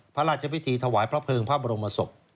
พระราชพิธีถวายพระเภิงพระบรมศพ